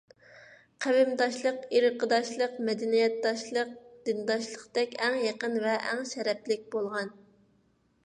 قەۋمداشلىق، ئىرقداشلىق، مەدەنىيەتداشلىق، دىنداشلىقتەك ئەڭ يېقىن ۋە ئەڭ شەرەپلىك بولغان.